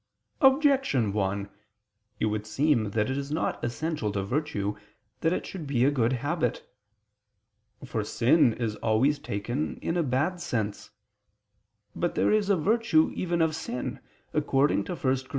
Objection 1: It would seem that it is not essential to virtue that it should be a good habit. For sin is always taken in a bad sense. But there is a virtue even of sin; according to 1 Cor.